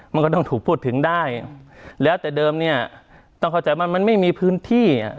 มันก็ต้องถูกพูดถึงได้แล้วแต่เดิมเนี่ยต้องเข้าใจว่ามันไม่มีพื้นที่อ่ะ